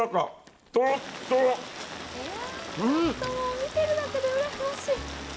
見てるだけでうらやましい。